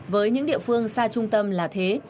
với những địa phương xa trung tâm là thế